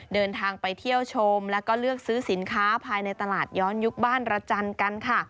เดินทางไปเที่ยวชมแล้วก็เลือกซื้อสินค้าภายในตลาดย้อนยุคบ้านระจันทร์กันค่ะ